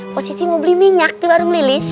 posisi mau beli minyak di warung lilis